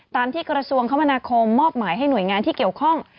ตามที่กระทรวงคมนาคมมอบหมายให้หน่วยงานที่เกี่ยวข้อง